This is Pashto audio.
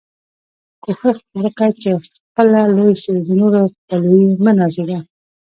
کوښښ وکه، چي خپله لوى سې، د نورو په لويي مه نازېږه!